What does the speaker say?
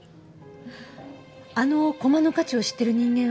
あの駒の価値を知ってる人間は？